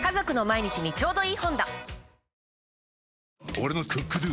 俺の「ＣｏｏｋＤｏ」！